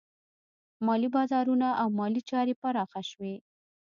مالي بازارونه او مالي چارې پراخه شوې.